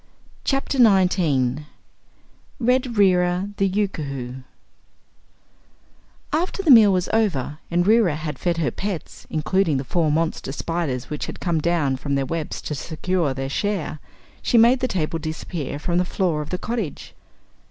Chapter Nineteen Red Reera, the Yookoohoo After the meal was over and Reera had fed her pets, including the four monster spiders which had come down from their webs to secure their share, she made the table disappear from the floor of the cottage.